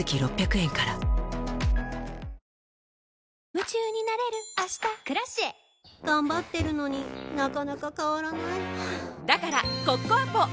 夢中になれる明日「Ｋｒａｃｉｅ」頑張ってるのになかなか変わらないはぁだからコッコアポ！